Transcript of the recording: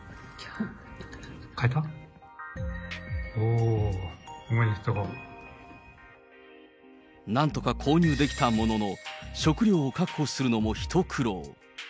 おー、なんとか購入できたものの、食料を確保するのも一苦労。